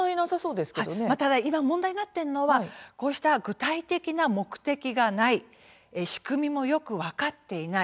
今、問題になっているのはこうした具体的な目的がない仕組みもよく分かっていない